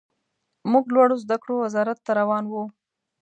موږ لوړو زده کړو وزارت ته روان وو.